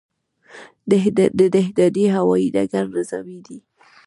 د دهدادي هوايي ډګر نظامي دی